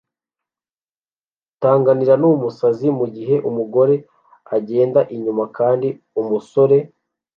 t aganira numusaza mugihe umugore agenda inyuma kandi umusore